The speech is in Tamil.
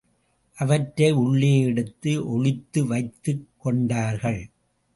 அவற்றை உள்ளே எடுத்து ஒளித்து வைத்துக் கொண்டார்கள்.